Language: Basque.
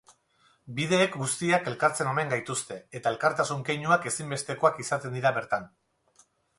Bideek guztiak elkartzen omen gaituzte, eta elkartasun keinuak ezinbestekoak izaten dira bertan.